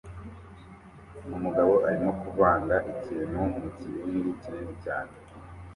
Umugabo arimo kuvanga ikintu mukibindi kinini cyane